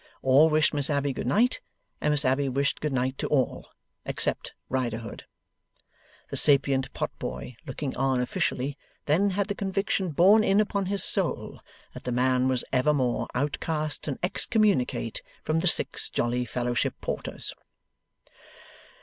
All wished Miss Abbey good night and Miss Abbey wished good night to all, except Riderhood. The sapient pot boy, looking on officially, then had the conviction borne in upon his soul, that the man was evermore outcast and excommunicate from the Six Jolly Fellowship Porters.